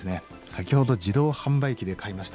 先ほど自動販売機で買いました